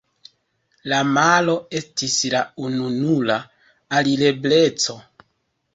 La maro estis la ununura alirebleco.